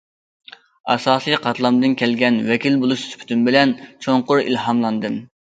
ئاساسىي قاتلامدىن كەلگەن ۋەكىل بولۇش سۈپىتىم بىلەن چوڭقۇر ئىلھاملاندىم.